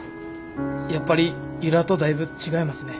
やっぱり由良とだいぶ違いますね。